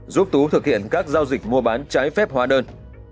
giúp tú thực hiện các giao dịch mua bán trái phép hóa đơn